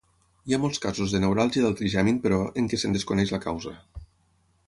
Hi ha molts casos de neuràlgia del trigemin, però, en què se’n desconeix la causa.